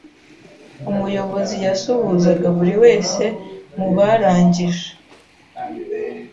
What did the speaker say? Umuyobozi yasuhuzaga buri wese mu barangije.